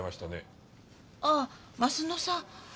ああ鱒乃さん。